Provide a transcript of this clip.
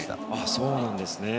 そうなんですね。